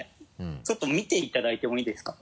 ちょっと見ていただいてもいいですか？